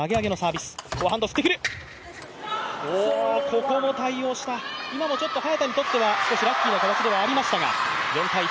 ここも対応した、今もちょっと早田にとっては少しラッキーな形ではありましたが。